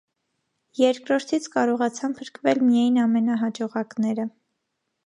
Երկրորդից կարողացան փրկվել միայն ամենահաջողակները։